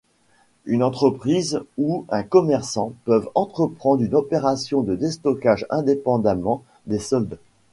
Une entreprise ou un commerçant peuvent entreprendre une opération de déstockage indépendamment des soldes.